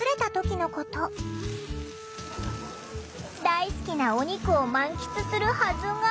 大好きなお肉を満喫するはずが。